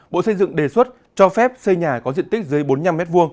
bộ xây dựng đề xuất cho phép xây nhà có diện tích dưới bốn mươi năm m hai